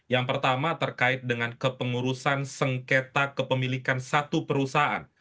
yang pertama terkait dengan kepengurusan sengketa kepemilikan satu perusahaan